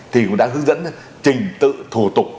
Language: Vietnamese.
thì cũng đã hướng dẫn trình tự thủ tục